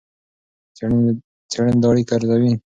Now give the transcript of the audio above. څېړنې دا اړیکه ارزوي.